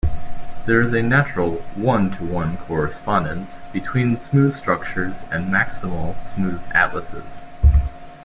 There is a natural one-to-one correspondence between smooth structures and maximal smooth atlases.